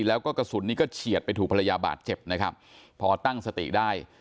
แล้วก็กระสุนนี้ก็เฉียดไปถูกภรรยาบาดเจ็บนะครับพอตั้งสติได้